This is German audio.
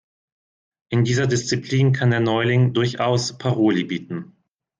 In dieser Disziplin kann der Neuling durchaus Paroli bieten.